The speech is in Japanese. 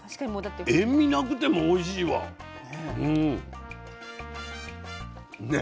塩味なくてもおいしいわ。ね？